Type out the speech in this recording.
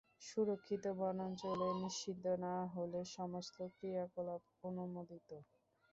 সুরক্ষিত বনাঞ্চলে, নিষিদ্ধ না হলে সমস্ত ক্রিয়াকলাপ অনুমোদিত।